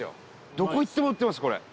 どこ行っても売ってます、これ。